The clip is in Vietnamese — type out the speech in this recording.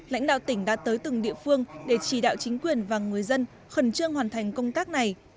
lãnh đạo tỉnh đã tới từng địa phương để chỉ đạo chính quyền và người dân khẩn trương hoàn thành công tác này